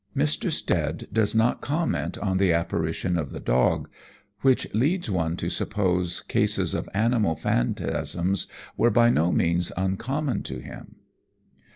Mr. Stead does not comment on the apparition of the dog, which leads one to suppose cases of animal phantasms were by no means uncommon to him.